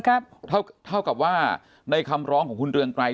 เท่าเท่ากับว่าในคำร้องของคุณเรืองไกร